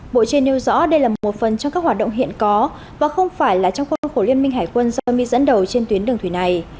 bộ trên nêu rõ đây là một phần trong các hoạt động hiện có và không phải là trong khuôn khổ liên minh hải quân do mỹ dẫn đầu trên tuyến đường thủy này